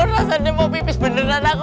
rasanya mau pipis beneran aku